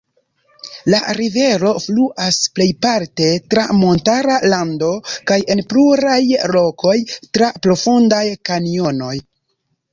La rivero fluas plejparte tra montara lando kaj en pluraj lokoj tra profundaj kanjonoj.